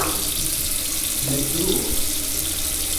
La ttruɣ.